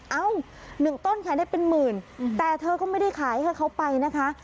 เอ้า๑ต้นขายได้เป็นหมื่นแต่เธอก็ไม่ได้ขายให้เขาไปนะคะ